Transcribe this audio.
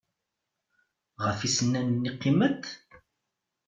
Ɣef yisennanen i qqiment?